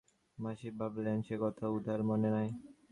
মাসি ভাবিলেন, সে কথা উহার মনে নাই।